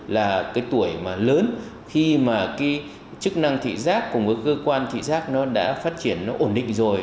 là cái tuổi mà lớn khi mà cái chức năng thị giác cùng với cơ quan thị giác nó đã phát triển nó ổn định rồi